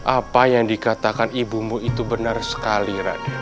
apa yang dikatakan ibumu itu benar sekali raden